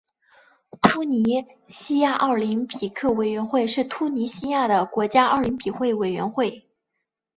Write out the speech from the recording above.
突尼西亚奥林匹克委员会是突尼西亚的国家奥林匹克委员会。